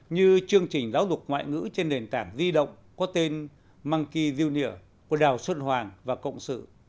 như chương trình giáo dục ngoại ngữ trên nền tảng di động có tên mki zunier của đào xuân hoàng và cộng sự